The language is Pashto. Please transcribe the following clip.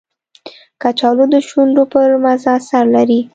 کچالو د شونډو پر مزه اثر لري